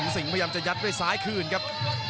สิงห์พยายามจะยัดด้วยซ้ายคืนครับ